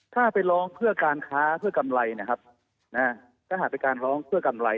ถ้าไปร้องเพื่อการค้าเพื่อกำไรนะครับถ้าหากเป็นการร้องเพื่อกำไร